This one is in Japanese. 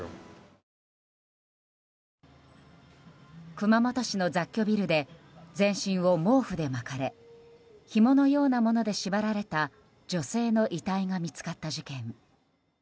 熊本市の雑居ビルで全身を毛布で巻かれひものようなもので縛られた女性の遺体が見つかった事件。